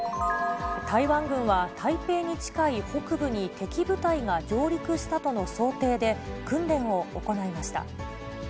台湾軍は、台北に近い北部に敵部隊が上陸したとの想定で訓練を行いました。